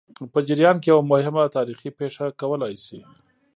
په جریان کې یوه مهمه تاریخي پېښه کولای شي.